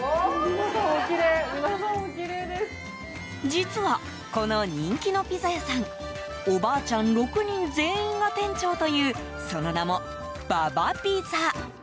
実は、この人気のピザ屋さんおばあちゃん６人全員が店長というその名も、ＢａＢａピザ。